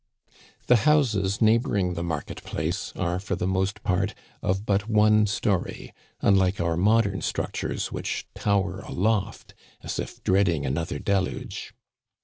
The houses neighboring the market place are, for the most part, of but one story, unlike our modern structures, which tower aloft as if dreading another deluge.